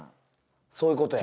そういうことや。